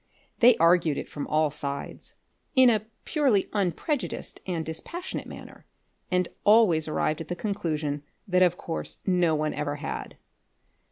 They argued it from all sides, in a purely unprejudiced and dispassionate manner, and always arrived at the conclusion that of course no one ever had.